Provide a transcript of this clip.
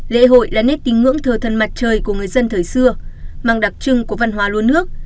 lễ hội là nét tính ngưỡng thờ thần mặt trời của người dân thời xưa mang đặc trưng của văn hóa luôn nước